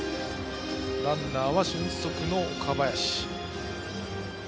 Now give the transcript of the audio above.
ランナーは俊足の岡林。